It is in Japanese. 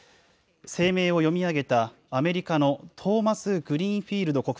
声明を読み上げたアメリカのトーマスグリーンフィールド